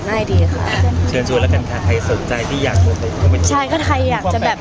ง่ายดีค่ะเชิญชวนแล้วกันค่ะใครสนใจที่อยากจะใช่ก็ใครอยากจะแบบ